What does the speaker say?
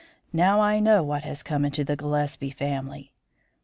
Now I know what has come into the Gillespie family.